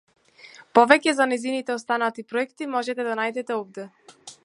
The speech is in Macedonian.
Повеќе за нејзините останати проекти можете да најдете овде.